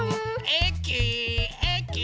えきえき。